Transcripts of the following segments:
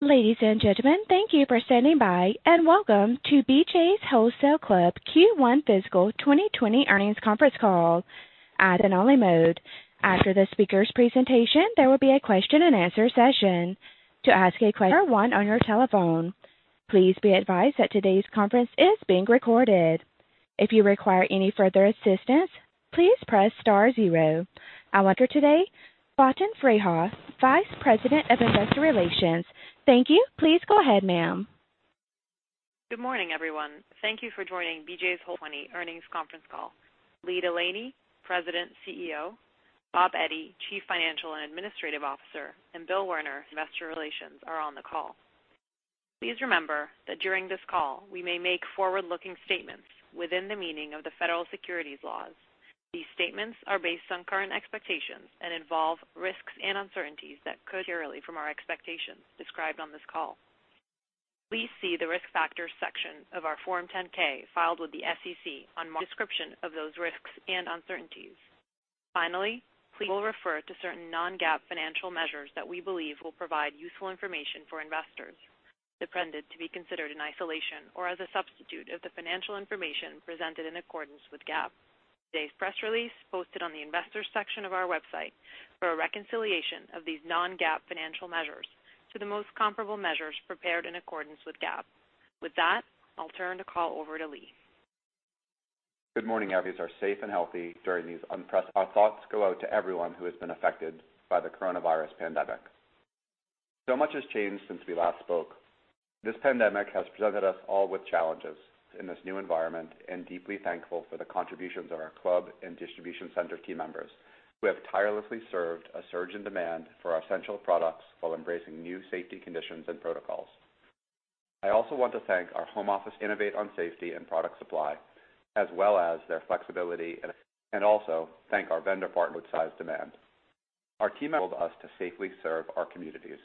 Ladies and gentlemen, thank you for standing by, and welcome to BJ's Wholesale Club Q1 Fiscal 2021 Earnings Conference Call. As in only mode, after the speakers' presentation, there will be a question-and-answer session. To ask a question, one on your telephone. Please be advised that today's conference is being recorded. If you require any further assistance, please press star zero. I have here today, Faten Freiha, Vice President of Investor Relations. Thank you. Please go ahead, ma'am. Good morning, everyone. Thank you for joining BJ's Wholesale Club Earnings Conference Call. Lee Delaney, President CEO, Bob Eddy, Chief Financial and Administrative Officer, and Bill Werner, Investor Relations are on the call. Please remember that during this call, we may make forward-looking statements within the meaning of the Federal securities laws. These statements are based on current expectations and involve risks and uncertainties that could materially from our expectations described on this call. Please see the Risk Factors section of our Form 10-K filed with the SEC on March description of those risks and uncertainties. Finally, please will refer to certain non-GAAP financial measures that we believe will provide useful information for investors. Depended to be considered in isolation or as a substitute of the financial information presented in accordance with GAAP. Today's press release posted on the investors section of our website for a reconciliation of these non-GAAP financial measures to the most comparable measures prepared in accordance with GAAP. With that, I'll turn the call over to Lee. Good morning, everybody. Are safe and healthy during these unprecedented. Our thoughts go out to everyone who has been affected by the coronavirus pandemic. So much has changed since we last spoke. This pandemic has presented us all with challenges in this new environment and deeply thankful for the contributions of our club and distribution center team members who have tirelessly served a surge in demand for our essential products while embracing new safety conditions and protocols. I also want to thank our home office innovate on safety and product supply, as well as their flexibility and also thank our vendor partners size demand. Our team enabled us to safely serve our communities.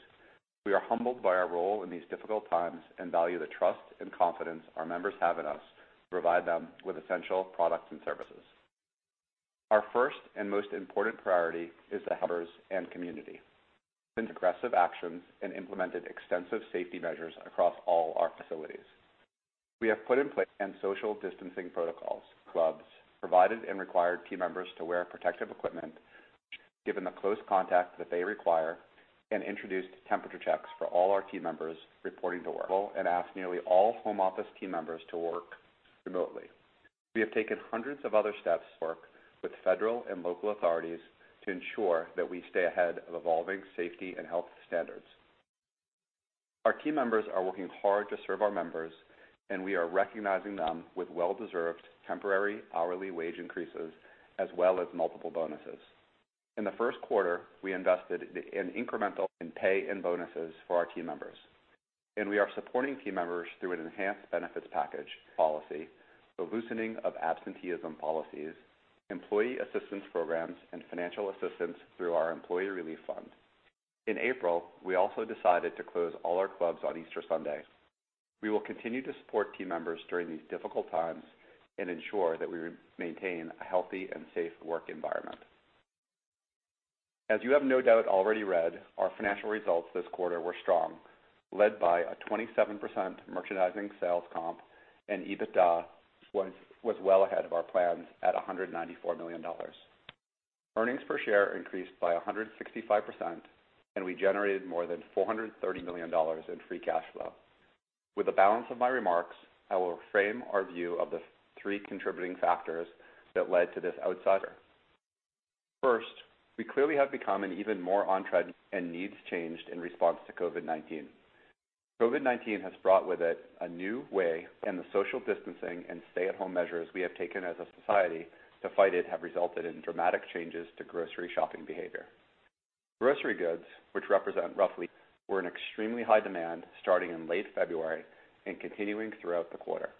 We are humbled by our role in these difficult times and value the trust and confidence our members have in us to provide them with essential products and services. Our first and most important priority is the members and community. We have taken aggressive actions and implemented extensive safety measures across all our facilities. We have put in place and social distancing protocols, clubs provided and required team members to wear protective equipment given the close contact that they require and introduced temperature checks for all our team members reporting to work well and asked nearly all home office team members to work remotely. We have taken hundreds of other steps to work with federal and local authorities to ensure that we stay ahead of evolving safety and health standards. We are recognizing them with well-deserved temporary hourly wage increases as well as multiple bonuses. In the first quarter, we invested in incremental in pay and bonuses for our team members, we are supporting team members through an enhanced benefits package policy, the loosening of absenteeism policies, employee assistance programs, and financial assistance through our employee relief fund. In April, we also decided to close all our clubs on Easter Sunday. We will continue to support team members during these difficult times and ensure that we maintain a healthy and safe work environment. As you have no doubt already read, our financial results this quarter were strong, led by a 27% merchandising sales comp and EBITDA was well ahead of our plans at $194 million. Earnings per share increased by 165%, we generated more than $430 million in free cash flow. With the balance of my remarks, I will frame our view of the three contributing factors that led to this outsized. First, we clearly have become an even more on-trend and needs changed in response to COVID-19. COVID-19 has brought with it a new way and the social distancing and stay-at-home measures we have taken as a society to fight it have resulted in dramatic changes to grocery shopping behavior. Grocery goods, which represent roughly, were in extremely high demand starting in late February and continuing throughout the quarter.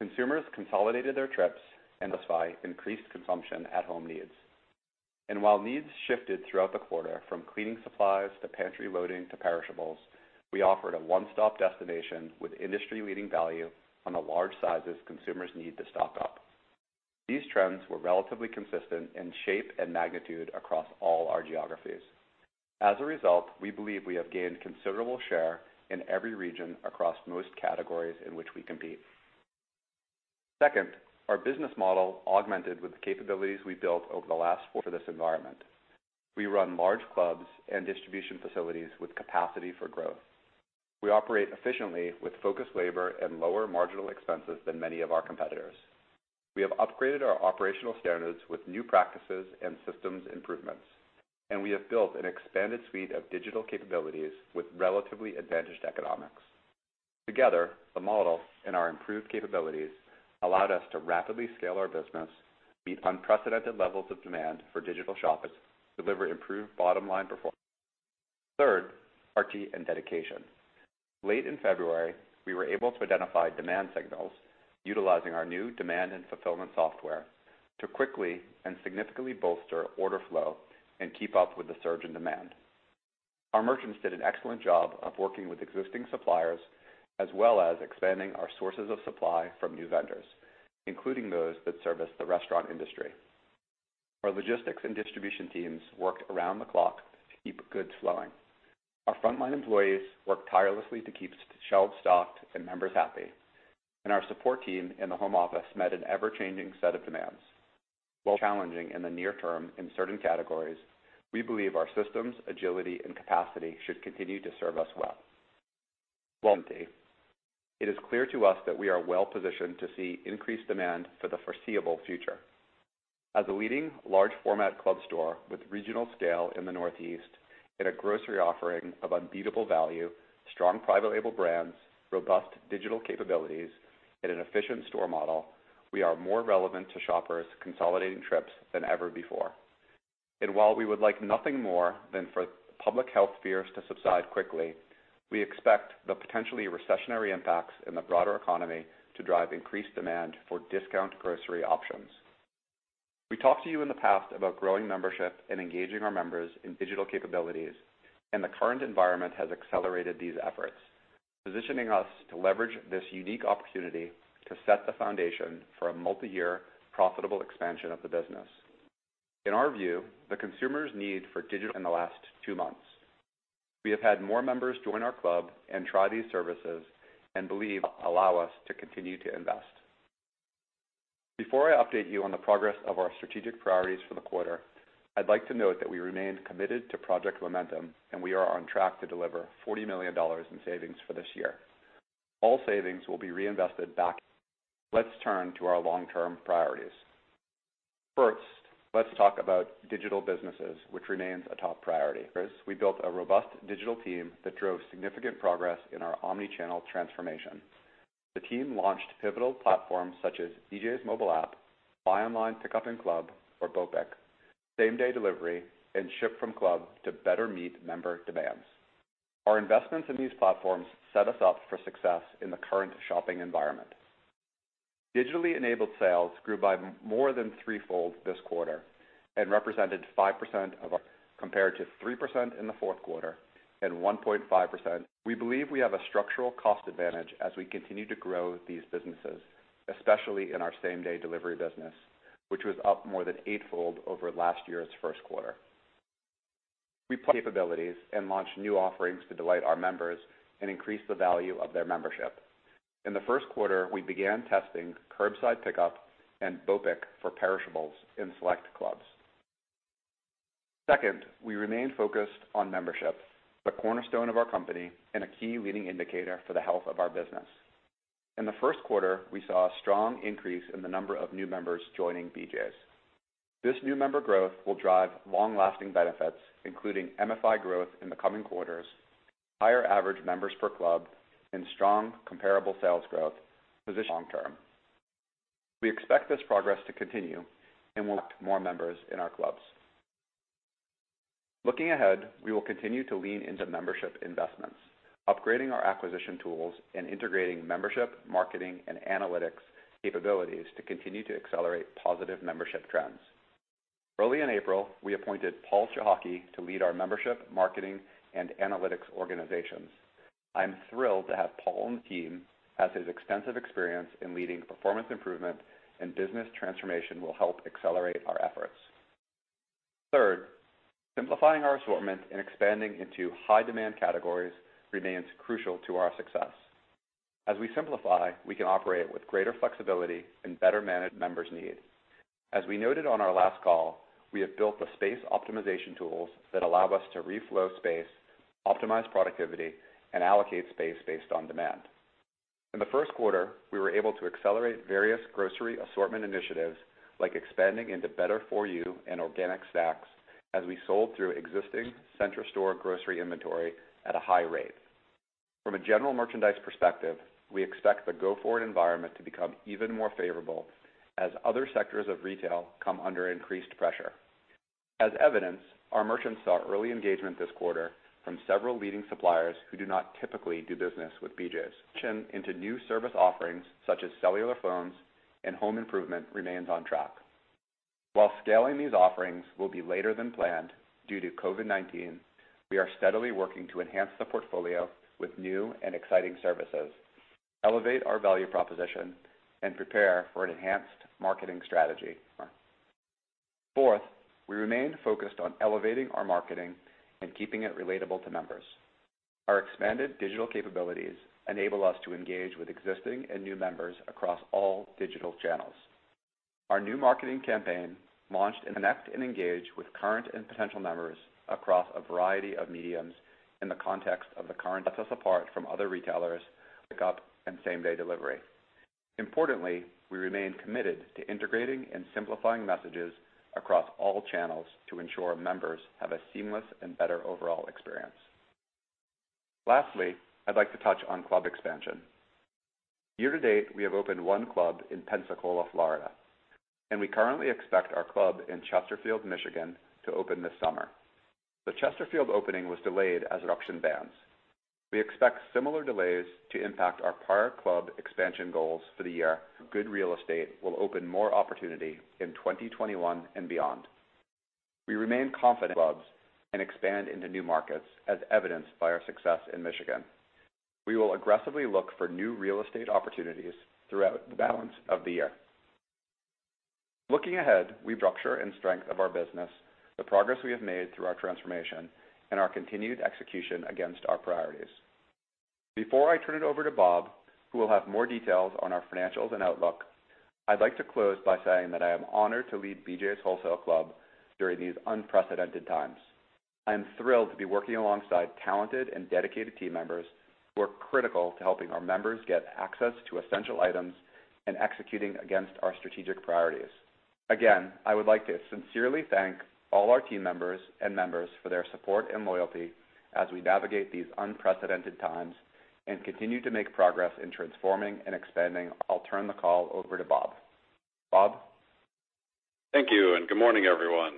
Consumers consolidated their trips and justify increased consumption at home needs. While needs shifted throughout the quarter from cleaning supplies to pantry loading to perishables, we offered a one-stop destination with industry-leading value on the large sizes consumers need to stock up. These trends were relatively consistent in shape and magnitude across all our geographies. As a result, we believe we have gained considerable share in every region across most categories in which we compete. Second, our business model augmented with the capabilities we built over the last four for this environment. We run large clubs and distribution facilities with capacity for growth. We operate efficiently with focused labor and lower marginal expenses than many of our competitors. We have upgraded our operational standards with new practices and systems improvements, and we have built an expanded suite of digital capabilities with relatively advantaged economics. Together, the model and our improved capabilities allowed us to rapidly scale our business, meet unprecedented levels of demand for digital shoppers, deliver improved bottom-line performance. Third, our team and dedication. Late in February, we were able to identify demand signals utilizing our new demand and fulfillment software to quickly and significantly bolster order flow and keep up with the surge in demand. Our merchants did an excellent job of working with existing suppliers, as well as expanding our sources of supply from new vendors, including those that service the restaurant industry. Our logistics and distribution teams worked around the clock to keep goods flowing. Our frontline employees worked tirelessly to keep shelves stocked and members happy, and our support team in the home office met an ever-changing set of demands. While challenging in the near term in certain categories, we believe our systems, agility, and capacity should continue to serve us well. Lastly, it is clear to us that we are well-positioned to see increased demand for the foreseeable future. As a leading large format club store with regional scale in the Northeast and a grocery offering of unbeatable value, strong private label brands, robust digital capabilities, and an efficient store model, we are more relevant to shoppers consolidating trips than ever before. While we would like nothing more than for public health fears to subside quickly, we expect the potentially recessionary impacts in the broader economy to drive increased demand for discount grocery options. We talked to you in the past about growing membership and engaging our members in digital capabilities, the current environment has accelerated these efforts, positioning us to leverage this unique opportunity to set the foundation for a multi-year profitable expansion of the business. In our view, the consumer's need for digital in the last two months. We have had more members join our club and try these services and believe allow us to continue to invest. Before I update you on the progress of our strategic priorities for the quarter, I'd like to note that we remain committed to Project Momentum, we are on track to deliver $40 million in savings for this year. All savings will be reinvested back. Let's turn to our long-term priorities. First, let's talk about digital businesses, which remains a top priority. We built a robust digital team that drove significant progress in our omni-channel transformation. The team launched pivotal platforms such as BJ's mobile app, Buy Online Pickup in Club, or BOPIC, same-day delivery, and Ship from Club to better meet member demands. Our investments in these platforms set us up for success in the current shopping environment. Digitally-enabled sales grew by more than threefold this quarter and represented 5% of our compared to 3% in the fourth quarter and 1.5%. We believe we have a structural cost advantage as we continue to grow these businesses, especially in our same-day delivery business, which was up more than eightfold over last year's first quarter. We capabilities and launch new offerings to delight our members and increase the value of their membership. In the first quarter, we began testing curbside pickup and BOPIC for perishables in select clubs. Second, we remain focused on membership, the cornerstone of our company, and a key leading indicator for the health of our business. In the first quarter, we saw a strong increase in the number of new members joining BJ's. This new member growth will drive long-lasting benefits, including MFI growth in the coming quarters, higher average members per club, and strong comparable sales growth position long-term. We expect this progress to continue and will more members in our clubs. Looking ahead, we will continue to lean into membership investments, upgrading our acquisition tools and integrating membership, marketing, and analytics capabilities to continue to accelerate positive membership trends. Early in April, we appointed Paul Cichocki to lead our membership, marketing, and analytics organizations. I'm thrilled to have Paul on the team, as his extensive experience in leading performance improvement and business transformation will help accelerate our efforts. Third, simplifying our assortment and expanding into high-demand categories remains crucial to our success. As we simplify, we can operate with greater flexibility and better manage members' needs. As we noted on our last call, we have built the space optimization tools that allow us to reflow space, optimize productivity, and allocate space based on demand. In the first quarter, we were able to accelerate various grocery assortment initiatives, like expanding into Better For You and organic snacks as we sold through existing center store grocery inventory at a high rate. From a general merchandise perspective, we expect the go-forward environment to become even more favorable as other sectors of retail come under increased pressure. As evidenced, our merchants saw early engagement this quarter from several leading suppliers who do not typically do business with BJ's. Into new service offerings, such as cellular phones and home improvement remains on track. While scaling these offerings will be later than planned due to COVID-19, we are steadily working to enhance the portfolio with new and exciting services, elevate our value proposition, and prepare for an enhanced marketing strategy. Fourth, we remain focused on elevating our marketing and keeping it relatable to members. Our expanded digital capabilities enable us to engage with existing and new members across all digital channels. Our new marketing campaign launched in connect and engage with current and potential members across a variety of mediums in the context of the current, sets us apart from other retailers, pickup and same-day delivery. Importantly, we remain committed to integrating and simplifying messages across all channels to ensure members have a seamless and better overall experience. Lastly, I'd like to touch on club expansion. Year to date, we have opened one club in Pensacola, Florida, and we currently expect our club in Chesterfield, Michigan, to open this summer. The Chesterfield opening was delayed as production bans. We expect similar delays to impact our prior club expansion goals for the year. Good real estate will open more opportunity in 2021 and beyond. We remain confident in clubs and expand into new markets as evidenced by our success in Michigan. We will aggressively look for new real estate opportunities throughout the balance of the year. Looking ahead, we structure and strength of our business, the progress we have made through our transformation, and our continued execution against our priorities. Before I turn it over to Bob, who will have more details on our financials and outlook, I'd like to close by saying that I am honored to lead BJ's Wholesale Club during these unprecedented times. I am thrilled to be working alongside talented and dedicated team members who are critical to helping our members get access to essential items and executing against our strategic priorities. Again, I would like to sincerely thank all our team members and members for their support and loyalty as we navigate these unprecedented times and continue to make progress in transforming and expanding. I'll turn the call over to Bob. Bob? Thank you. Good morning, everyone.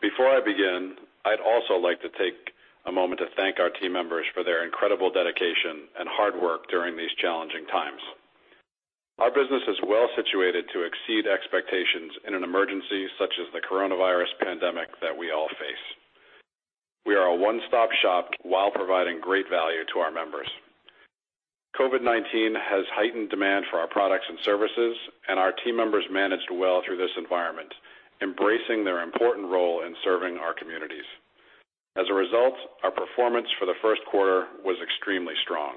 Before I begin, I'd also like to take a moment to thank our team members for their incredible dedication and hard work during these challenging times. Our business is well situated to exceed expectations in an emergency such as the coronavirus pandemic that we all face. We are a one-stop shop while providing great value to our members. COVID-19 has heightened demand for our products and services, and our team members managed well through this environment, embracing their important role in serving our communities. As a result, our performance for the first quarter was extremely strong.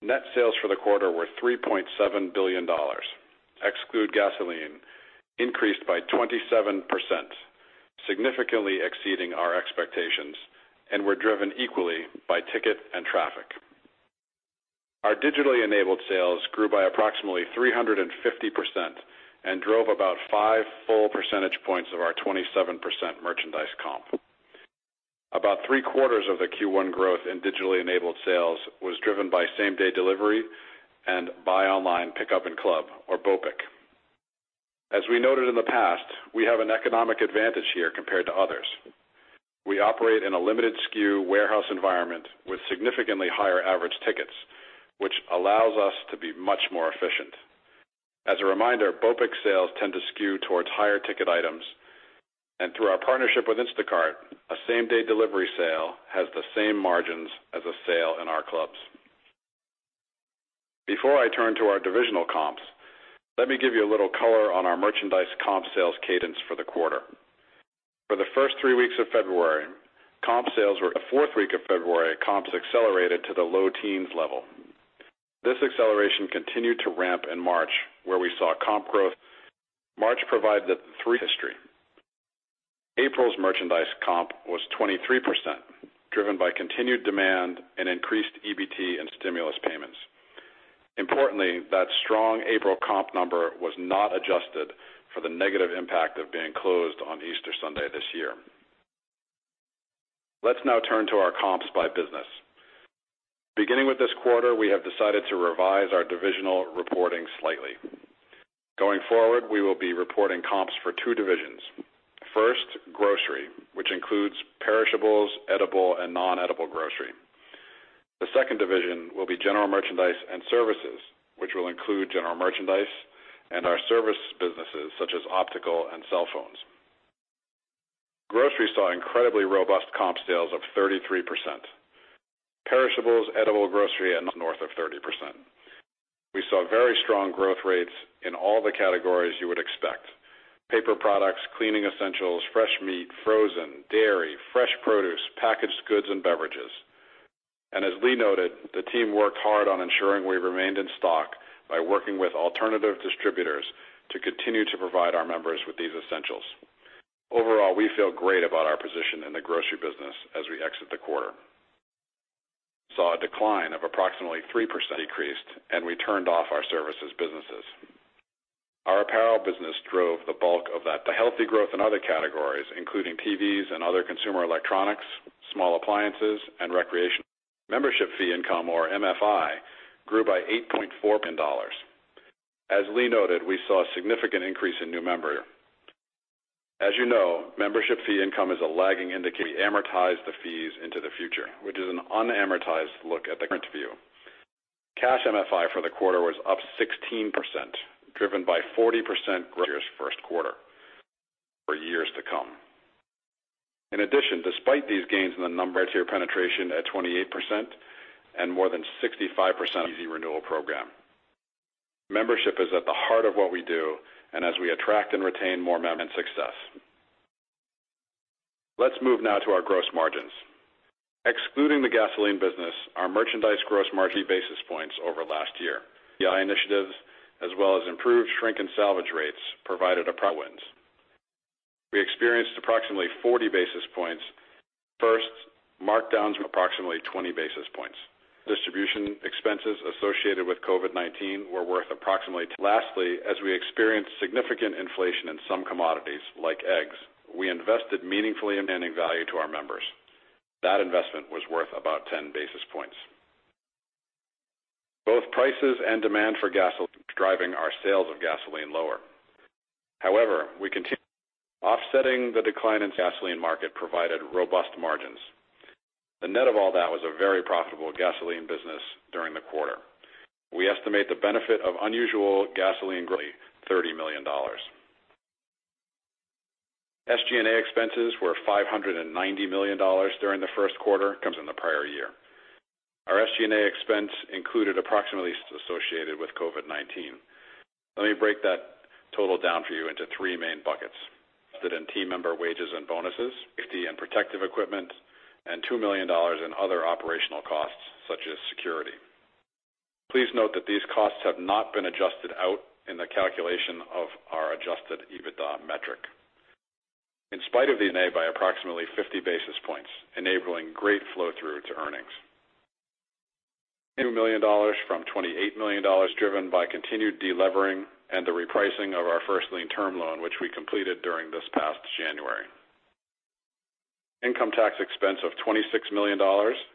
Net sales for the quarter were $3.7 billion, exclude gasoline, increased by 27%, significantly exceeding our expectations, and were driven equally by ticket and traffic. Our digitally enabled sales grew by approximately 350% and drove about five full % points of our 27% merchandise comp. About three-quarters of the Q1 growth in digitally enabled sales was driven by same-day delivery and buy online pickup in club or BOPIC. As we noted in the past, we have an economic advantage here compared to others. We operate in a limited SKU warehouse environment with significantly higher average tickets, which allows us to be much more efficient. As a reminder, BOPIC sales tend to skew towards higher ticket items, and through our partnership with Instacart, a same-day delivery sale has the same margins as a sale in our clubs. Before I turn to our divisional comps, let me give you a little color on our merchandise comp sales cadence for the quarter. For the first three weeks of February, the fourth week of February, comps accelerated to the low teens level. This acceleration continued to ramp in March, where we saw comp growth. March provided the 3%. April's merchandise comp was 23%, driven by continued demand and increased EBT and stimulus payments. Importantly, that strong April comp number was not adjusted for the negative impact of being closed on Easter Sunday this year. Let's now turn to our comps by business. Beginning with this quarter, we have decided to revise our divisional reporting slightly. Going forward, we will be reporting comps for two divisions. First, grocery, which includes perishables, edible, and non-edible grocery. The second division will be general merchandise and services, which will include general merchandise and our service businesses such as optical and cell phones. Grocery saw incredibly robust comp sales of 33%. Perishables, edible grocery, and north of 30%. We saw very strong growth rates in all the categories you would expect. Paper products, cleaning essentials, fresh meat, frozen, dairy, fresh produce, packaged goods, and beverages. As Lee noted, the team worked hard on ensuring we remained in stock by working with alternative distributors to continue to provide our members with these essentials. Overall, we feel great about our position in the grocery business as we exit the quarter. Saw a decline of approximately 3% decreased, and we turned off our services businesses. Our apparel business drove the bulk of that. The healthy growth in other categories, including TVs and other consumer electronics, small appliances, and recreational. Membership fee income or MFI, grew by $8.4 million. As Lee noted, we saw a significant increase in new member. As you know, membership fee income is a lagging indicator. We amortize the fees into the future, which is an unamortized look at the current view. Cash MFI for the quarter was up 16%, driven by 40% growth year's first quarter for years to come. Despite these gains in the number, tier penetration at 28% and more than 65% Easy Renewal program. Membership is at the heart of what we do, and as we attract and retain more members. Let's move now to our gross margins. Excluding the gasoline business, our merchandise gross margin basis points over last year. initiatives as well as improved shrink and salvage rates provided appropriate wins. We experienced approximately 40 basis points. Markdowns were approximately 20 basis points. Distribution expenses associated with COVID-19 were worth approximately. As we experienced significant inflation in some commodities, like eggs, we invested meaningfully in value to our members. That investment was worth about 10 basis points. Both prices and demand for gasoline, driving our sales of gasoline lower. However, offsetting the decline in the gasoline market provided robust margins. The net of all that was a very profitable gasoline business during the quarter. We estimate the benefit of unusual gasoline roughly $30 million. SG&A expenses were $590 million during the first quarter, comes in the prior year. Our SG&A expense included approximately associated with COVID-19. Let me break that total down for you into three main buckets. In team member wages and bonuses, safety and protective equipment, and $2 million in other operational costs, such as security. Please note that these costs have not been adjusted out in the calculation of our adjusted EBITDA metric. In spite of the [NA] by approximately 50 basis points, enabling great flow-through to earnings. $2 million from $28 million, driven by continued de-levering and the repricing of our First Lien Term Loan, which we completed during this past January. Income tax expense of $26 million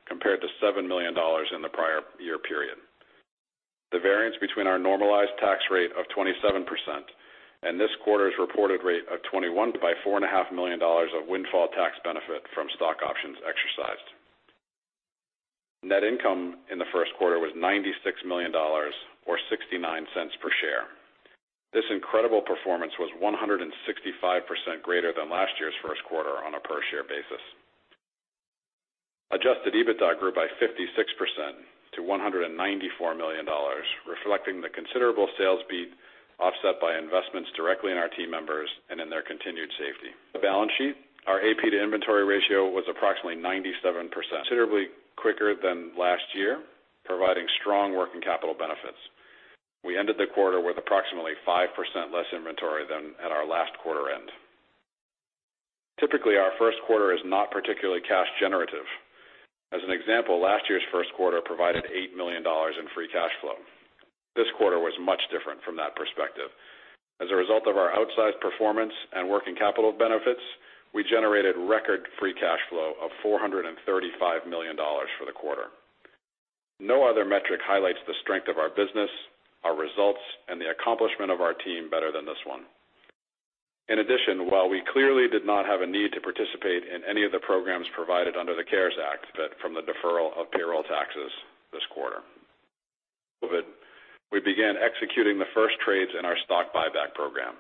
compared to $7 million in the prior year period. The variance between our normalized tax rate of 27% and this quarter's reported rate of 21% by $4.5 million of windfall tax benefit from stock options exercised. Net income in the first quarter was $96 million, or $0.69 per share. This incredible performance was 165% greater than last year's first quarter on a per-share basis. Adjusted EBITDA grew by 56% to $194 million, reflecting the considerable sales beat offset by investments directly in our team members and in their continued safety. The balance sheet, our AP to inventory ratio was approximately 97%, considerably quicker than last year, providing strong working capital benefits. We ended the quarter with approximately 5% less inventory than at our last quarter end. Typically, our first quarter is not particularly cash generative. As an example, last year's first quarter provided $8 million in free cash flow. This quarter was much different from that perspective. As a result of our outsized performance and working capital benefits, we generated record free cash flow of $435 million for the quarter. No other metric highlights the strength of our business, our results, and the accomplishment of our team better than this one. In addition, while we clearly did not have a need to participate in any of the programs provided under the CARES Act, but from the deferral of payroll taxes this quarter. We began executing the first trades in our stock buyback program.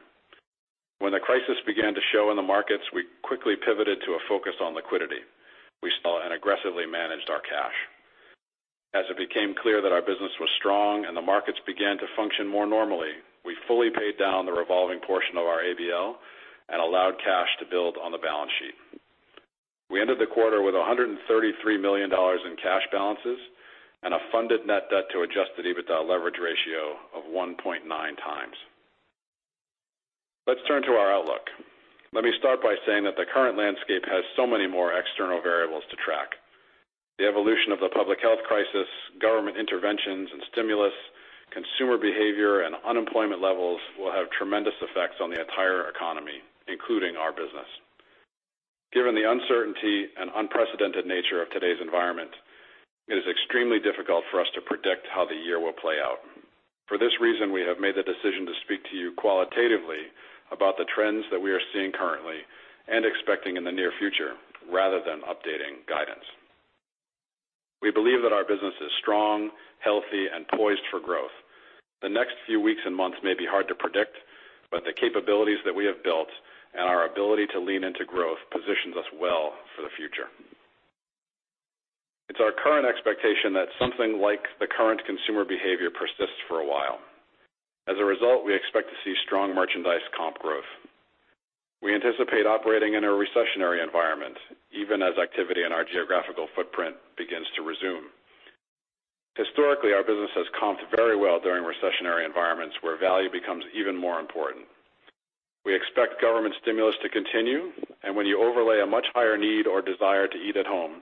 When the crisis began to show in the markets, we quickly pivoted to a focus on liquidity. We saw and aggressively managed our cash. As it became clear that our business was strong and the markets began to function more normally, we fully paid down the revolving portion of our ABL and allowed cash to build on the balance sheet. We ended the quarter with $133 million in cash balances and a funded net debt to adjusted EBITDA leverage ratio of 1.9x. Let's turn to our outlook. Let me start by saying that the current landscape has so many more external variables to track. The evolution of the public health crisis, government interventions and stimulus, consumer behavior, and unemployment levels will have tremendous effects on the entire economy, including our business. Given the uncertainty and unprecedented nature of today's environment, it is extremely difficult for us to predict how the year will play out. For this reason, we have made the decision to speak to you qualitatively about the trends that we are seeing currently and expecting in the near future, rather than updating guidance. We believe that our business is strong, healthy, and poised for growth. The next few weeks and months may be hard to predict, but the capabilities that we have built and our ability to lean into growth positions us well for the future. It's our current expectation that something like the current consumer behavior persists for a while. As a result, we expect to see strong merchandise comp growth. We anticipate operating in a recessionary environment, even as activity in our geographical footprint begins to resume. Historically, our business has comped very well during recessionary environments where value becomes even more important. We expect government stimulus to continue, when you overlay a much higher need or desire to eat at home,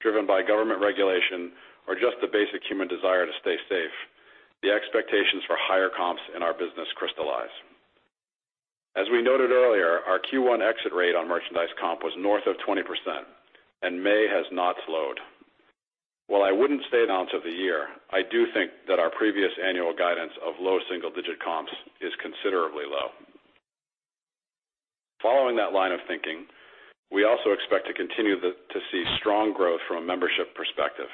driven by government regulation or just the basic human desire to stay safe, the expectations for higher comps in our business crystallize. As we noted earlier, our Q1 exit rate on merchandise comp was north of 20%, May has not slowed. While I wouldn't stay it onto the year, I do think that our previous annual guidance of low single-digit comps is considerably low. Following that line of thinking, we also expect to continue to see strong growth from a membership perspective.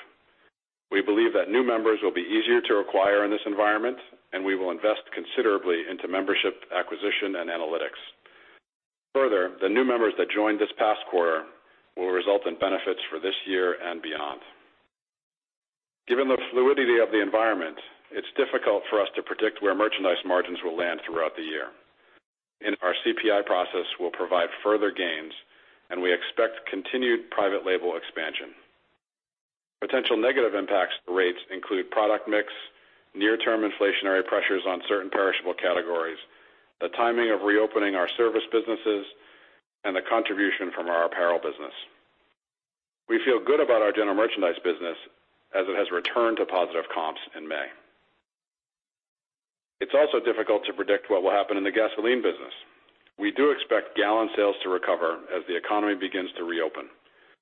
We believe that new members will be easier to acquire in this environment, we will invest considerably into membership acquisition and analytics. Further, the new members that joined this past quarter will result in benefits for this year and beyond. Given the fluidity of the environment, it's difficult for us to predict where merchandise margins will land throughout the year. In our CPI process will provide further gains, and we expect continued private label expansion. Potential negative impacts to rates include product mix, near-term inflationary pressures on certain perishable categories, the timing of reopening our service businesses, and the contribution from our apparel business. We feel good about our general merchandise business as it has returned to positive comps in May. It's also difficult to predict what will happen in the gasoline business. We do expect gallon sales to recover as the economy begins to reopen,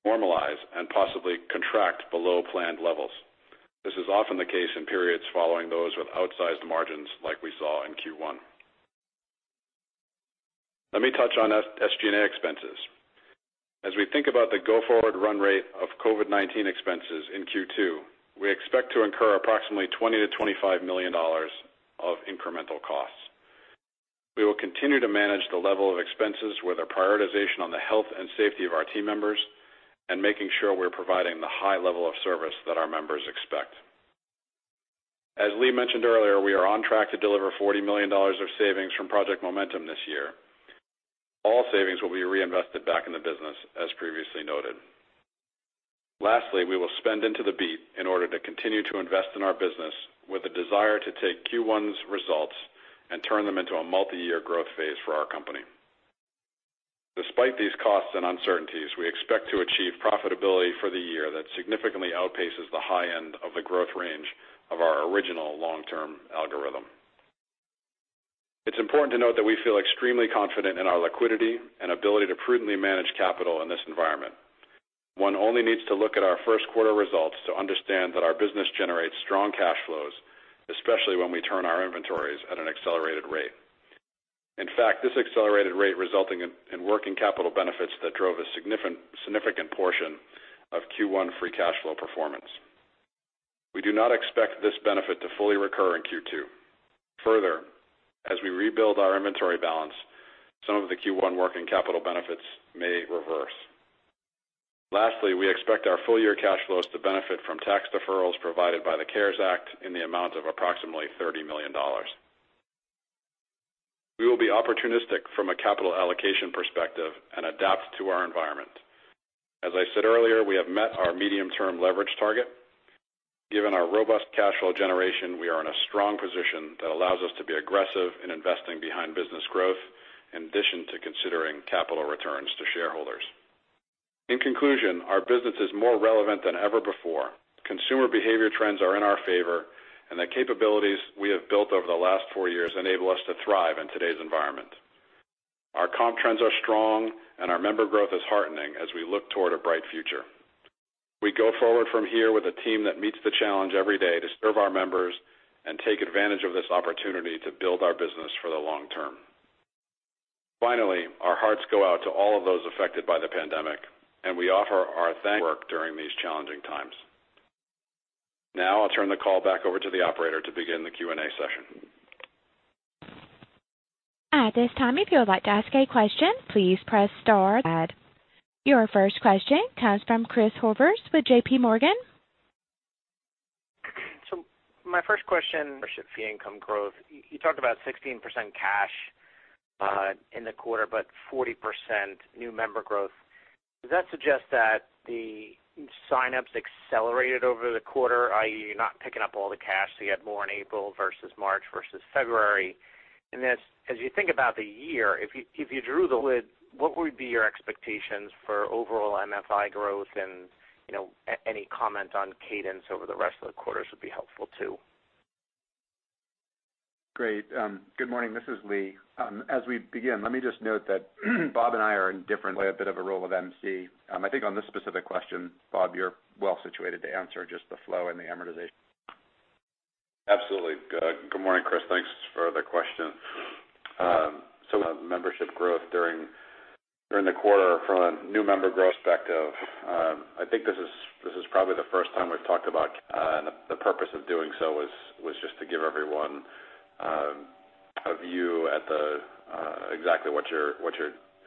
normalize, and possibly contract below planned levels. This is often the case in periods following those with outsized margins like we saw in Q1. Let me touch on SG&A expenses. As we think about the go-forward run rate of COVID-19 expenses in Q2, we expect to incur approximately $20 million-$25 million of incremental costs. We will continue to manage the level of expenses with a prioritization on the health and safety of our team members and making sure we're providing the high level of service that our members expect. As Lee mentioned earlier, we are on track to deliver $40 million of savings from Project Momentum this year. All savings will be reinvested back in the business, as previously noted. Lastly, we will spend into the beat in order to continue to invest in our business with a desire to take Q1's results and turn them into a multi-year growth phase for our company. Despite these costs and uncertainties, we expect to achieve profitability for the year that significantly outpaces the high end of the growth range of our original long-term algorithm. It's important to note that we feel extremely confident in our liquidity and ability to prudently manage capital in this environment. One only needs to look at our first quarter results to understand that our business generates strong cash flows, especially when we turn our inventories at an accelerated rate. In fact, this accelerated rate resulting in working capital benefits that drove a significant portion of Q1 free cash flow performance. We do not expect this benefit to fully recur in Q2. Further, as we rebuild our inventory balance, some of the Q1 working capital benefits may reverse. Lastly, we expect our full-year cash flows to benefit from tax deferrals provided by the CARES Act in the amount of approximately $30 million. We will be opportunistic from a capital allocation perspective and adapt to our environment. As I said earlier, we have met our medium-term leverage target. Given our robust cash flow generation, we are in a strong position that allows us to be aggressive in investing behind business growth, in addition to considering capital returns to shareholders. In conclusion, our business is more relevant than ever before. Consumer behavior trends are in our favor, and the capabilities we have built over the last four years enable us to thrive in today's environment. Our comp trends are strong, and our member growth is heartening as we look toward a bright future. We go forward from here with a team that meets the challenge every day to serve our members and take advantage of this opportunity to build our business for the long term. Our hearts go out to all of those affected by the pandemic, and we offer our work during these challenging times. I'll turn the call back over to the operator to begin the Q&A session. At this time, if you would like to ask a question, please press star. Your first question comes from Chris Horvers with JPMorgan. My first question, membership fee income growth. You talked about 16% cash in the quarter, but 40% new member growth. Does that suggest that the sign-ups accelerated over the quarter, i.e., you're not picking up all the cash, so you had more in April versus March versus February? As you think about the year, what would be your expectations for overall MFI growth and, any comment on cadence over the rest of the quarters would be helpful too. Great. Good morning. This is Lee. As we begin, let me just note that Bob and I are in different-- play a bit of a role of MC. I think on this specific question, Bob, you're well situated to answer just the flow and the amortization. Absolutely. Good morning, Chris. Thanks for the question. Membership growth during the quarter from a new member growth perspective, the purpose of doing so was just to give everyone a view at exactly what your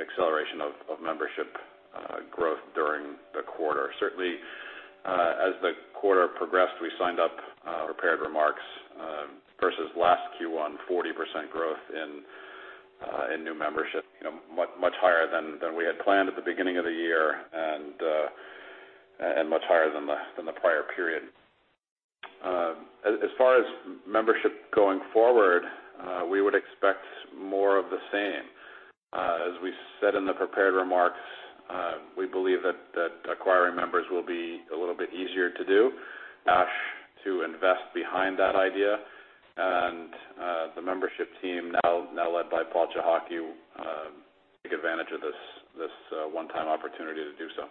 acceleration of membership growth during the quarter. Certainly, as the quarter progressed, we signed up prepared remarks versus last Q1, 40% growth in new membership. Much higher than we had planned at the beginning of the year and much higher than the prior period. As far as membership going forward, we would expect more of the same. As we said in the prepared remarks, we believe that acquiring members will be a little bit easier to do. Cash to invest behind that idea and the membership team now led by Paul Cichocki, take advantage of this one-time opportunity to do so.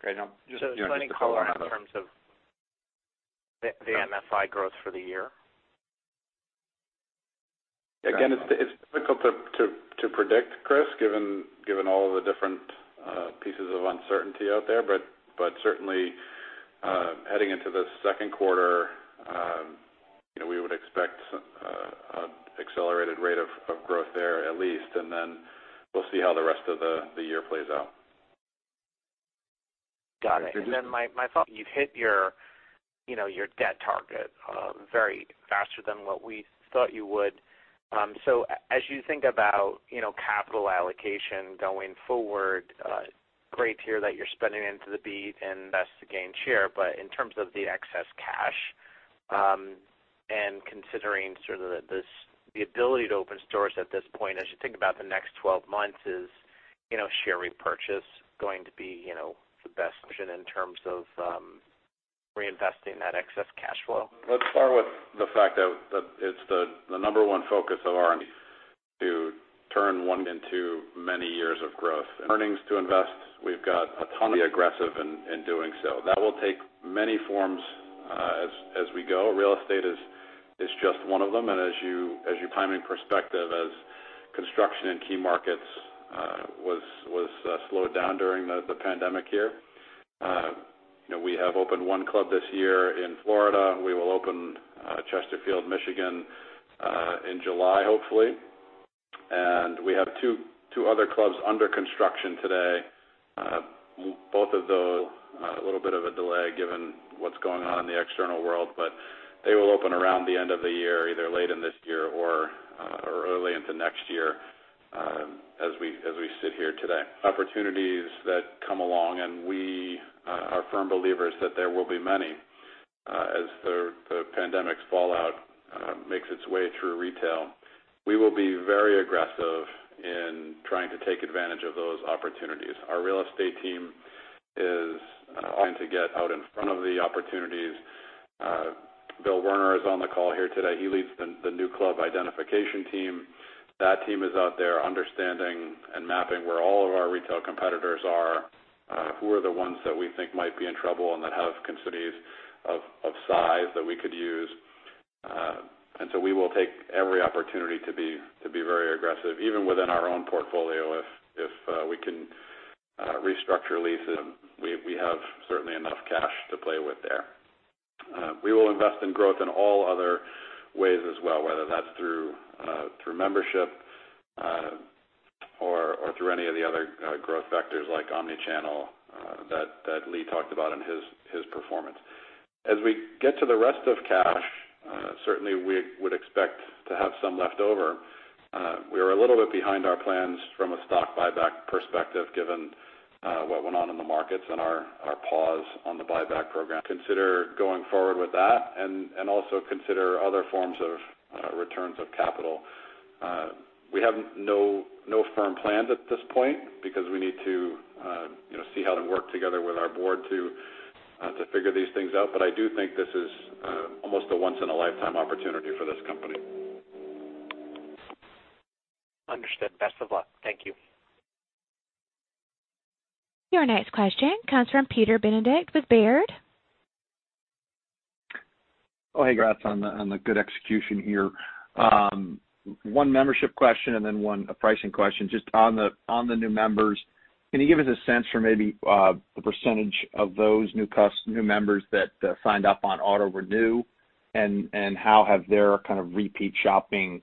Great. Now, Any color in terms of the MFI growth for the year? It's difficult to predict, Chris, given all the different pieces of uncertainty out there, but certainly, heading into the second quarter, we would expect some accelerated rate of growth there at least, and then we'll see how the rest of the year plays out. Got it. My thought, you've hit your debt target very faster than what we thought you would. As you think about capital allocation going forward, great to hear that you're spending into the beat and invest to gain share. In terms of the excess cash, and considering sort of the ability to open stores at this point, as you think about the next 12 months, is share repurchase going to be the best option in terms of reinvesting that excess cash flow? Let's start with the fact that it's the number one focus to turn one into many years of growth. Earnings to invest. We've got a ton to be aggressive in doing so. That will take many forms as we go. Real estate is just one of them, and as you put into perspective, as construction in key markets was slowed down during the pandemic here. We have opened one club this year in Florida. We will open Chesterfield, Michigan, in July, hopefully. We have two other clubs under construction today. Both of those, a little bit of a delay given what's going on in the external world, but they will open around the end of the year, either late in this year or early into next year, as we sit here today. Opportunities that come along, and we are firm believers that there will be many as the pandemic's fallout makes its way through retail. We will be very aggressive in trying to take advantage of those opportunities. Our real estate team is trying to get out in front of the opportunities. Bill Werner is on the call here today. He leads the new club identification team. That team is out there understanding and mapping where all of our retail competitors are, who are the ones that we think might be in trouble, and that have facilities of size that we could use. We will take every opportunity to be very aggressive, even within our own portfolio, if we can restructure leases. We have certainly enough cash to play with there. We will invest in growth in all other ways as well, whether that's through membership or through any of the other growth vectors like omni-channel that Lee talked about in his performance. We get to the rest of cash, certainly we would expect to have some left over. We are a little bit behind our plans from a stock buyback perspective, given what went on in the markets and our pause on the buyback program. Consider going forward with that and also consider other forms of returns of capital. We have no firm plans at this point because we need to see how to work together with our board to figure these things out. I do think this is almost a once in a lifetime opportunity for this company. Understood. Best of luck. Thank you. Your next question comes from Peter Benedict with Baird. Oh, hey, congrats on the good execution here. One membership question and then one pricing question. Just on the new members, can you give us a sense for maybe the % of those new members that signed up on auto renew, and how have their kind of repeat shopping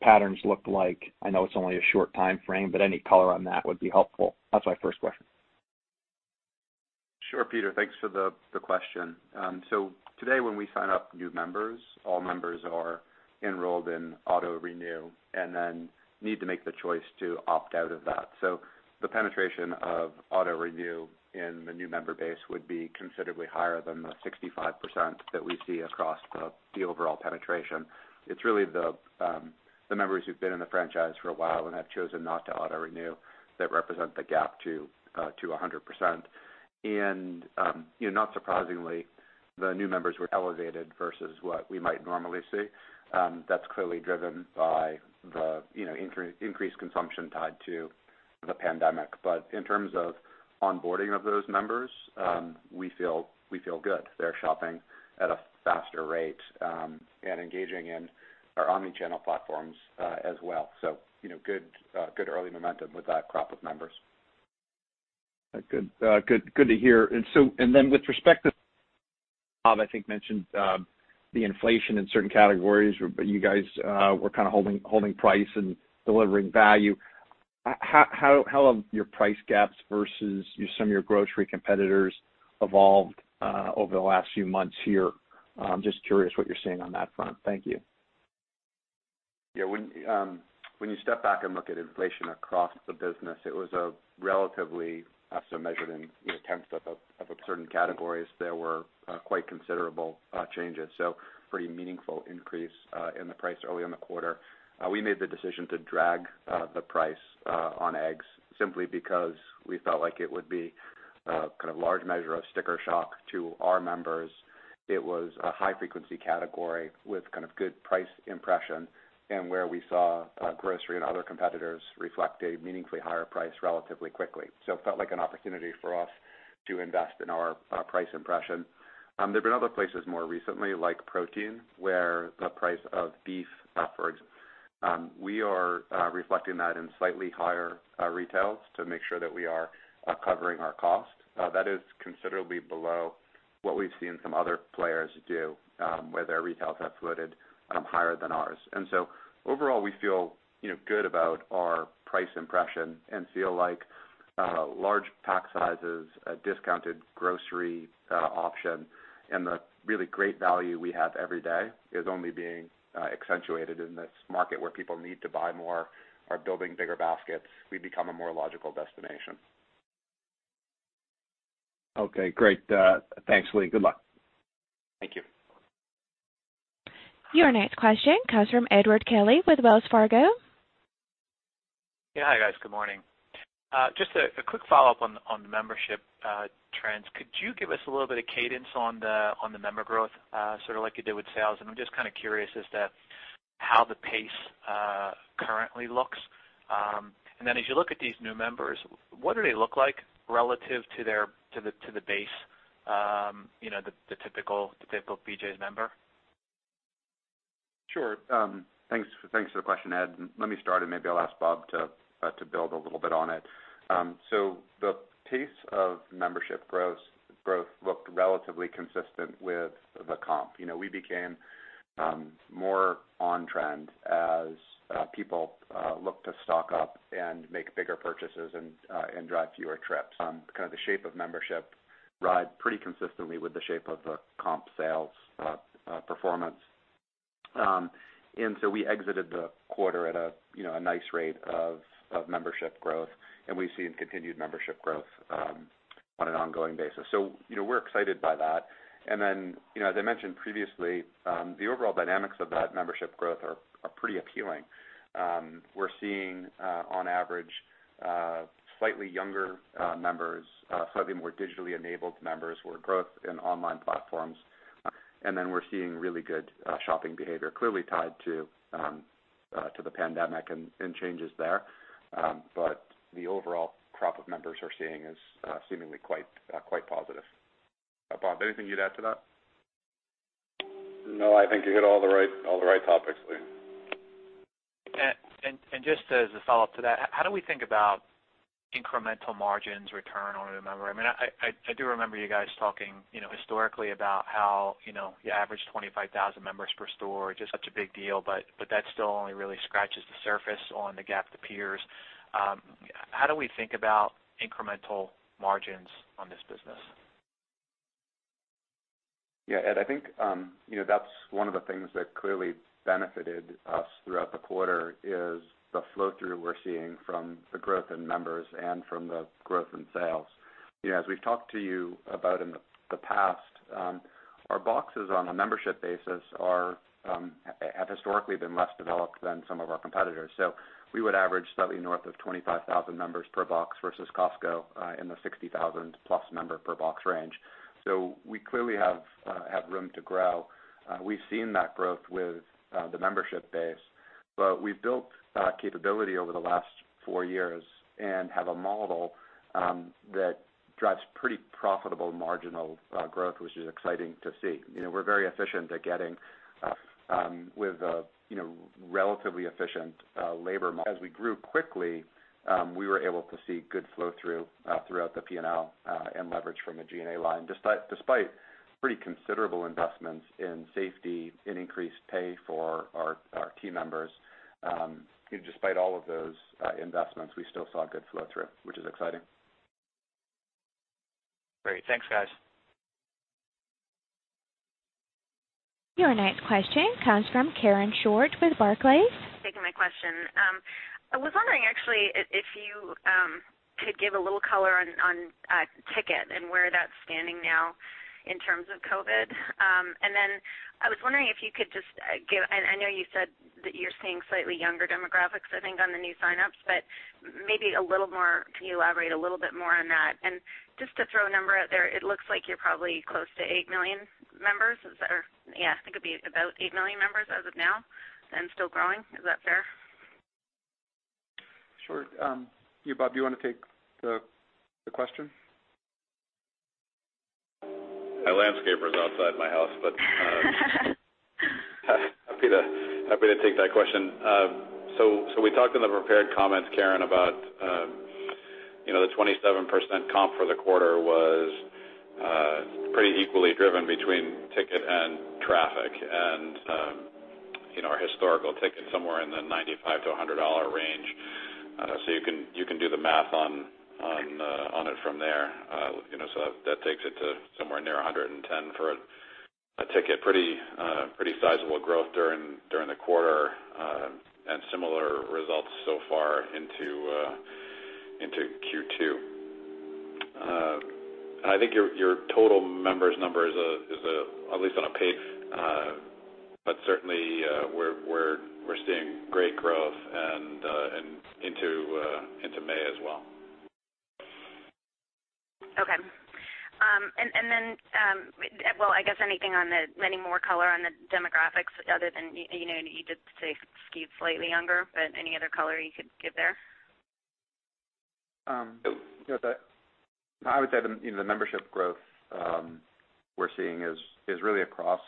patterns looked like? I know it's only a short time frame, but any color on that would be helpful. That's my first question. Sure, Peter, thanks for the question. Today, when we sign up new members, all members are enrolled in auto renew and then need to make the choice to opt out of that. The penetration of auto renew in the new member base would be considerably higher than the 65% that we see across the overall penetration. It's really the members who've been in the franchise for a while and have chosen not to auto renew that represent the gap to 100%. Not surprisingly, the new members were elevated versus what we might normally see. That's clearly driven by the increased consumption tied to the pandemic. In terms of onboarding of those members, we feel good. They're shopping at a faster rate and engaging in our omni-channel platforms as well. Good early momentum with that crop of members. Good to hear. With respect to, I think, mentioned the inflation in certain categories, but you guys were kind of holding price and delivering value. How have your price gaps versus some of your grocery competitors evolved over the last few months here? Just curious what you're seeing on that front. Thank you. When you step back and look at inflation across the business, it was a relatively, measured in tenths of certain categories, there were quite considerable changes. Pretty meaningful increase in the price early in the quarter. We made the decision to drag the price on eggs simply because we felt like it would be kind of large measure of sticker shock to our members. It was a high-frequency category with kind of good price impression, and where we saw grocery and other competitors reflect a meaningfully higher price relatively quickly. It felt like an opportunity for us to invest in our price impression. There've been other places more recently, like protein, where the price of beef, for example. We are reflecting that in slightly higher retails to make sure that we are covering our cost. That is considerably below what we've seen some other players do, where their retails have floated higher than ours. Overall, we feel good about our price impression and feel like large pack sizes, a discounted grocery option, and the really great value we have every day is only being accentuated in this market where people need to buy more, are building bigger baskets. We become a more logical destination. Okay, great. Thanks, Lee. Good luck. Thank you. Your next question comes from Edward Kelly with Wells Fargo. Yeah. Hi, guys. Good morning. Just a quick follow-up on the membership trends. Could you give us a little bit of cadence on the member growth, sort of like you did with sales? I'm just kind of curious as to how the pace currently looks. As you look at these new members, what do they look like relative to the base, the typical BJ's member? Sure. Thanks for the question, Ed. Let me start and maybe I'll ask Bob to build a little bit on it. The pace of membership growth looked relatively consistent with the comp. We became more on-trend as people look to stock up and make bigger purchases and drive fewer trips on kind of the shape of membership ride pretty consistently with the shape of the comp sales performance. We exited the quarter at a nice rate of membership growth, and we've seen continued membership growth on an ongoing basis. We're excited by that. Then, as I mentioned previously, the overall dynamics of that membership growth are pretty appealing. We're seeing, on average, slightly younger members, slightly more digitally enabled members, we're growth in online platforms. Then we're seeing really good shopping behavior, clearly tied to the pandemic and changes there. The overall crop of members we're seeing is seemingly quite positive. Bob, anything you'd add to that? No, I think you hit all the right topics, Lee. Just as a follow-up to that, how do we think about incremental margins return on a member? I do remember you guys talking historically about how you average 25,000 members per store, just such a big deal, but that still only really scratches the surface on the gap to peers. How do we think about incremental margins on this business? Yeah, Ed, I think that's one of the things that clearly benefited us throughout the quarter is the flow-through we're seeing from the growth in members and from the growth in sales. As we've talked to you about in the past, our boxes on a membership basis have historically been less developed than some of our competitors. We would average slightly north of 25,000 members per box versus Costco in the 60,000+ member per box range. We clearly have room to grow. We've seen that growth with the membership base, we've built that capability over the last four years and have a model that drives pretty profitable marginal growth, which is exciting to see. We're very efficient at getting with a relatively efficient labor model. As we grew quickly, we were able to see good flow-through throughout the P&L and leverage from the G&A line, despite pretty considerable investments in safety and increased pay for our team members. Despite all of those investments, we still saw good flow-through, which is exciting. Great. Thanks, guys. Your next question comes from Karen Short with Barclays. Thanks for taking my question. I was wondering actually if you could give a little color on ticket and where that's standing now in terms of COVID. I was wondering if you could just give-- I know you said that you're seeing slightly younger demographics, I think, on the new sign-ups, but maybe can you elaborate a little bit more on that? Just to throw a number out there, it looks like you're probably close to 8 million members. I think it'd be about 8 million members as of now and still growing. Is that fair? Sure. Bob, do you want to take the question? My landscaper's outside my house. Happy to take that question. We talked in the prepared comments, Karen, about the 27% comp for the quarter was pretty equally driven between ticket and traffic, and our historical ticket somewhere in the $95-$100 range. You can do the math on it from there. That takes it to somewhere near $110 for a ticket. Pretty sizable growth during the quarter, and similar results so far into Q2. I think your total members number is at least on a pace, but certainly we're seeing great growth and into May as well. Okay. Then, well, I guess anything on the many more color on the demographics other than you did say skewed slightly younger, but any other color you could give there? I would say the membership growth we're seeing is really across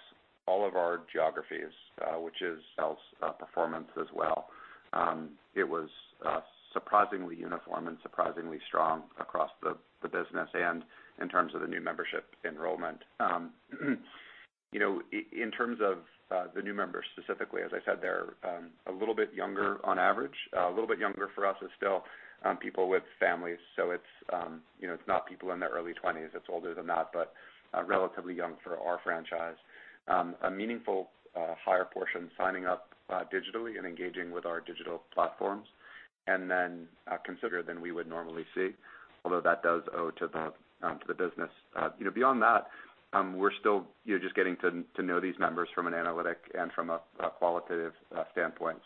all of our geographies, which is sales performance as well. It was surprisingly uniform and surprisingly strong across the business and in terms of the new membership enrollment. In terms of the new members specifically, as I said, they're a little bit younger on average. A little bit younger for us is still people with families. It's not people in their early 20s, it's older than that, but relatively young for our franchise. A meaningful higher portion signing up digitally and engaging with our digital platforms, although that does owe to the business. Beyond that, we're still just getting to know these members from an analytic and from a qualitative standpoint.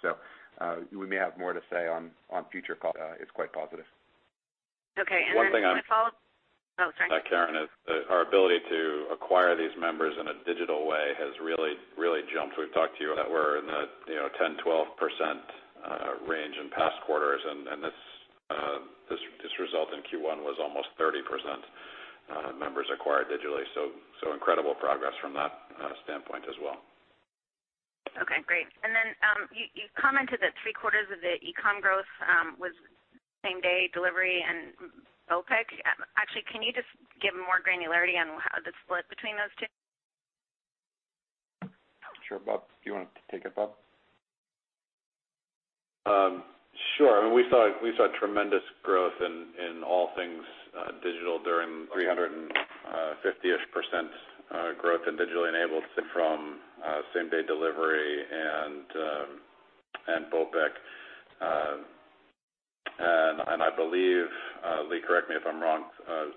We may have more to say on future calls, which is quite positive. Okay. One thing I- Oh, sorry. Karen, is our ability to acquire these members in a digital way has really jumped. We're in the 10%, 12% range in past quarters, and this result in Q1 was almost 30% members acquired digitally. Incredible progress from that standpoint as well. Okay, great. You commented that three quarters of the e-com growth was same-day delivery and BOPIC. Actually, can you just give more granularity on the split between those two? Sure. Do you want to take it, Bob? Sure. We saw tremendous growth in all things digital during 350%-ish growth in digitally enabled from same-day delivery and BOPIC. I believe, Lee, correct me if I'm wrong,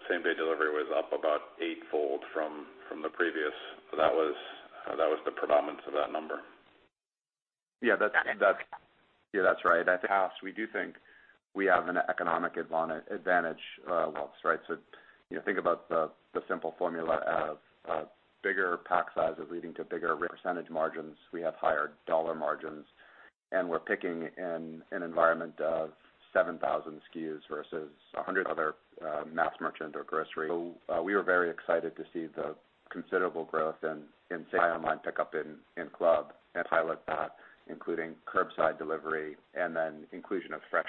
same-day delivery was up about eightfold from the previous. That was the predominance of that number. Yeah, that's right. We do think we have an economic advantage, Waltz. Think about the simple formula of bigger pack sizes leading to bigger % margins. We have higher dollar margins, and we're picking in an environment of 7,000 SKUs versus 100 other mass merchant or grocery. We were very excited to see the considerable growth in same-online pickup in club and pilot that, including curbside delivery and then inclusion of fresh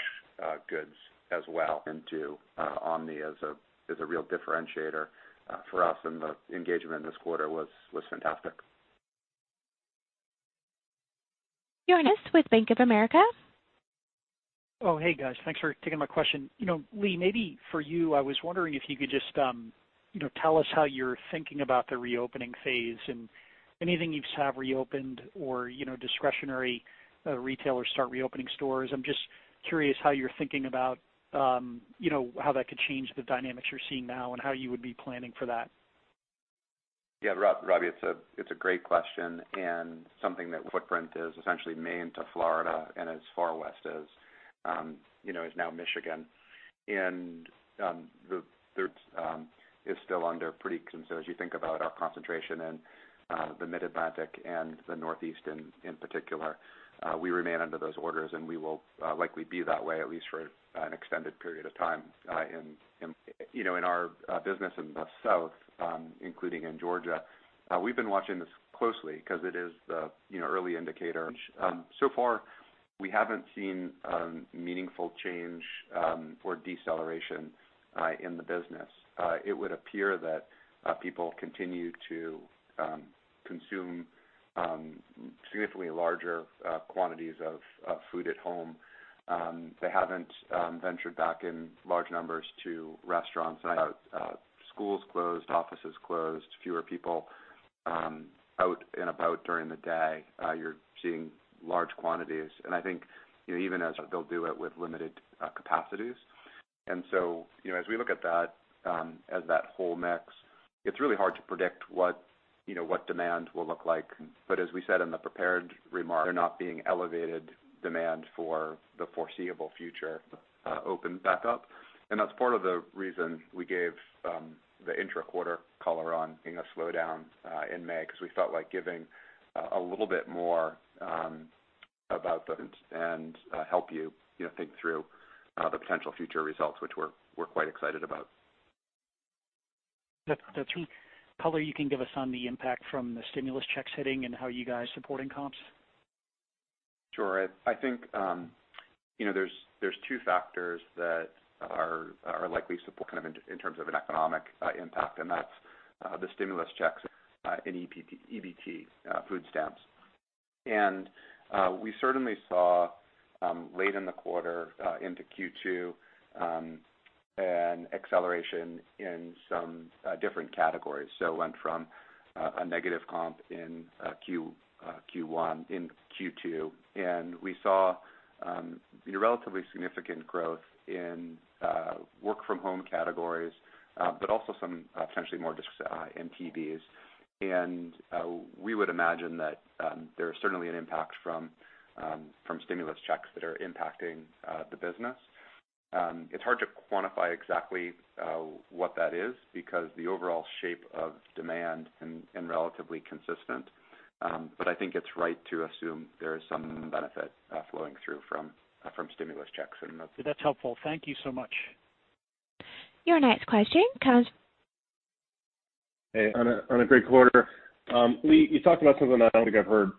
goods as well into omni is a real differentiator for us, and the engagement in this quarter was fantastic. Your next with Bank of America. Oh, hey, guys. Thanks for taking my question. Lee, maybe for you, I was wondering if you could just tell us how you're thinking about the reopening phase and anything you have reopened or discretionary retailers start reopening stores. I'm just curious how you're thinking about how that could change the dynamics you're seeing now and how you would be planning for that? Yeah, Robbie, it's a great question and something. Footprint is essentially Maine to Florida and as far west as now Michigan. As you think about our concentration in the Mid-Atlantic and the Northeast in particular, we remain under those orders, and we will likely be that way, at least for an extended period of time. In our business in the South, including in Georgia, we've been watching this closely because it is the early indicator. So far, we haven't seen meaningful change for deceleration in the business. It would appear that people continue to consume significantly larger quantities of food at home. They haven't ventured back in large numbers to restaurants and about schools closed, offices closed, fewer people out and about during the day. You're seeing large quantities. I think even as they'll do it with limited capacities. As we look at that, as that whole mix, it's really hard to predict what demand will look like. As we said in the prepared remarks, they're not being elevated demand for the foreseeable future. Open back up. That's part of the reason we gave the intra-quarter color on seeing a slowdown in May because we felt like giving a little bit more to help you think through the potential future results, which we're quite excited about. The [three color] you can give us on the impact from the stimulus checks hitting and how you guys supporting comps? Sure. I think there's two factors that are likely support, kind of in terms of an economic impact, and that's the stimulus checks in EBT food stamps. We certainly saw late in the quarter into Q2 an acceleration in some different categories. Went from a negative comp in Q2. We saw relatively significant growth in work from home categories, but also some potentially more disc MPVs. We would imagine that there is certainly an impact from stimulus checks that are impacting the business. It's hard to quantify exactly what that is because the overall shape of demand and relatively consistent. I think it's right to assume there is some benefit flowing through from stimulus checks. That's helpful. Thank you so much. Your next question comes- Hey, on a great quarter. Lee, you talked about something I don't think I've heard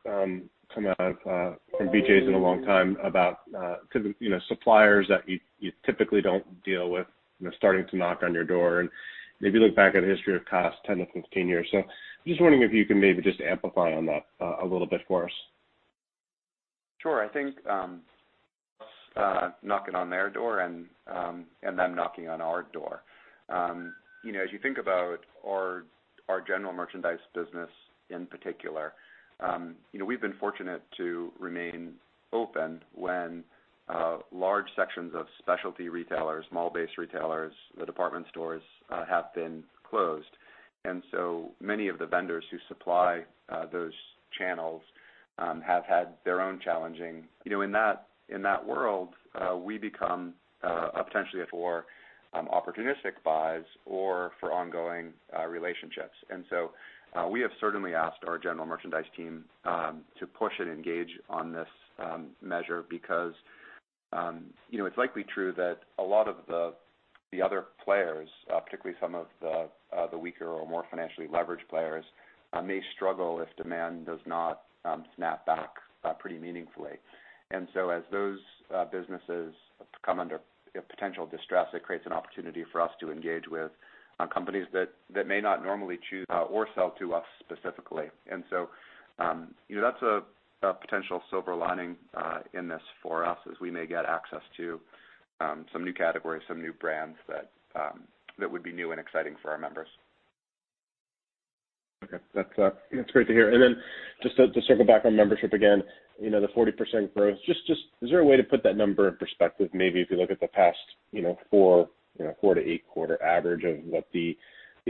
come out from BJ's in a long time about suppliers that you typically don't deal with starting to knock on your door and maybe look back at a history of Costco 10-15 years. Just wondering if you can maybe just amplify on that a little bit for us. Sure. I think knocking on their door and them knocking on our door. As you think about our general merchandise business in particular, we've been fortunate to remain open when large sections of specialty retailers, mall-based retailers, the department stores, have been closed. Many of the vendors who supply those channels have had their own challenging. In that world, we become potentially up for opportunistic buys or for ongoing relationships. We have certainly asked our general merchandise team to push and engage on this measure because it's likely true that a lot of the other players, particularly some of the weaker or more financially leveraged players, may struggle if demand does not snap back pretty meaningfully. As those businesses come under potential distress, it creates an opportunity for us to engage with companies that may not normally choose or sell to us specifically. That's a potential silver lining in this for us, as we may get access to some new categories, some new brands that would be new and exciting for our members. Okay. That's great to hear. Then just to circle back on membership again, the 40% growth. Just, is there a way to put that number in perspective, maybe, if you look at the past four to eight quarter average of what the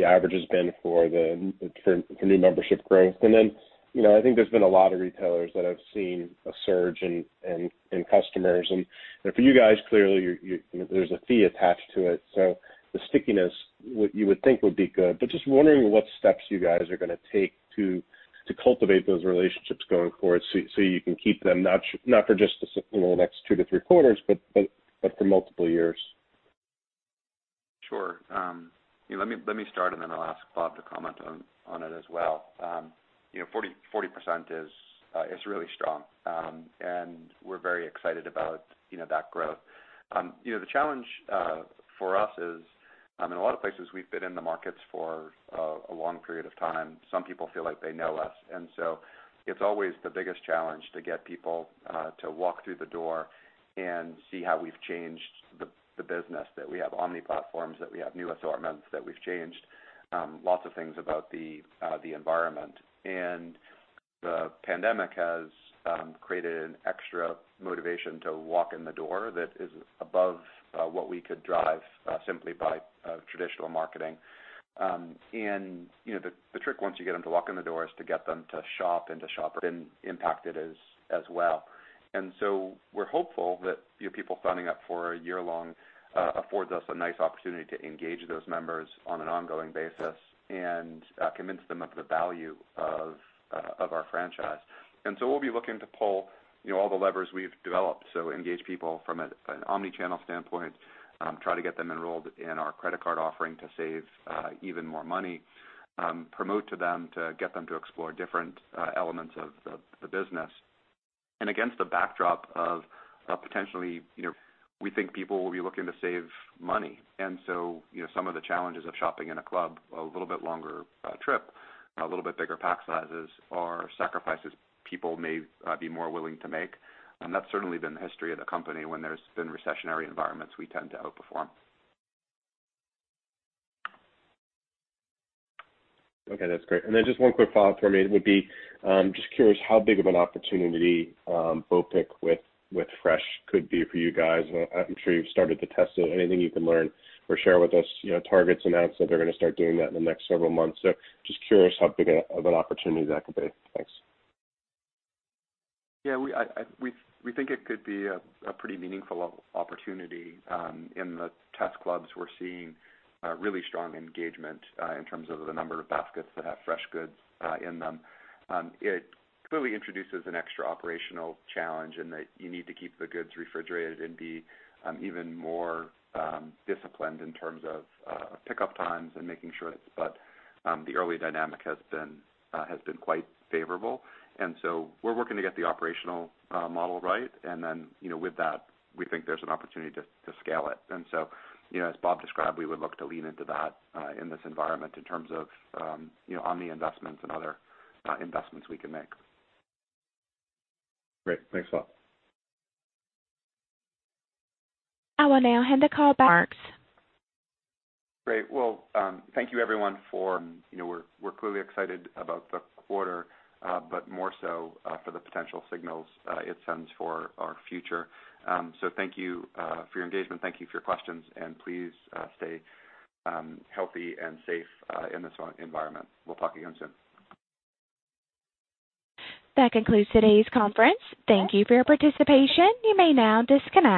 average has been for new membership growth? Then, I think there's been a lot of retailers that have seen a surge in customers, and for you guys, clearly, there's a fee attached to it, so the stickiness, you would think would be good. Just wondering what steps you guys are gonna take to cultivate those relationships going forward so you can keep them, not for just the next two to three quarters, but for multiple years. Sure. Let me start, and then I'll ask Bob to comment on it as well. 40% is really strong, and we're very excited about that growth. The challenge for us is, in a lot of places we've been in the markets for a long period of time, some people feel like they know us. It's always the biggest challenge to get people to walk through the door and see how we've changed the business, that we have omni-platforms, that we have new assortments, that we've changed lots of things about the environment. The pandemic has created an extra motivation to walk in the door that is above what we could drive simply by traditional marketing. The trick, once you get them to walk in the door, is to get them to shop. Been impacted as well. We're hopeful that people signing up for a one year-long affords us a nice opportunity to engage those members on an ongoing basis and convince them of the value of our franchise. We'll be looking to pull all the levers we've developed. So engage people from an omni-channel standpoint, try to get them enrolled in our credit card offering to save even more money, promote to them to get them to explore different elements of the business. Against the backdrop of potentially, we think people will be looking to save money. Some of the challenges of shopping in a club, a little bit longer trip, a little bit bigger pack sizes are sacrifices people may be more willing to make. That's certainly been the history of the company. When there's been recessionary environments, we tend to outperform. Okay, that's great. Just one quick follow-up for me would be, just curious how big of an opportunity BOPIC with fresh could be for you guys? I'm sure you've started to test it. Anything you can learn or share with us? Target's announced that they're going to start doing that in the next several months. Just curious how big of an opportunity that could be. Thanks. Yeah, we think it could be a pretty meaningful opportunity. In the test clubs, we're seeing really strong engagement in terms of the number of baskets that have fresh goods in them. It clearly introduces an extra operational challenge in that you need to keep the goods refrigerated and be even more disciplined in terms of pickup times and making sure. The early dynamic has been quite favorable. We're working to get the operational model right, and then, with that, we think there's an opportunity to scale it. As Bob described, we would look to lean into that in this environment in terms of omni investments and other investments we can make. Great. Thanks, Bob. I will now hand the call back. Great. Well, thank you everyone. We're clearly excited about the quarter, but more so for the potential signals it sends for our future. Thank you for your engagement, thank you for your questions, and please stay healthy and safe in this environment. We'll talk again soon. That concludes today's conference. Thank you for your participation. You may now disconnect.